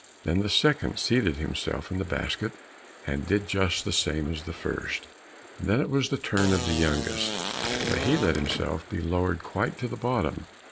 Then the second seated himself in the basket, but he did just the same as the first, and then it was the turn of the youngest, but he let himself be lowered quite to the bottom.